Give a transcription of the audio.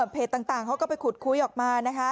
ต่างเขาก็ไปขุดคุยออกมานะคะ